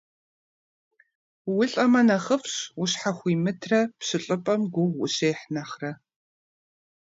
Улӏэмэ нэхъыфӏщ, ущхьэхуимытрэ пщылӏыпӏэм гугъу ущехь нэхърэ.